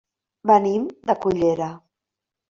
Venim de Cullera.